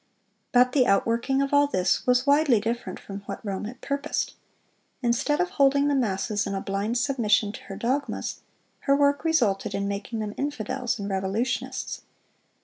But the outworking of all this was widely different from what Rome had purposed. Instead of holding the masses in a blind submission to her dogmas, her work resulted in making them infidels and revolutionists.